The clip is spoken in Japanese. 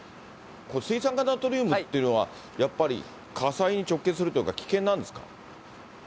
水酸化ナトリウムっていうのは、やっぱり火災に直結するというか、危険なんですか？